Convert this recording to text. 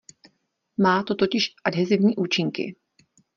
Má to totiž adhezivní účinky.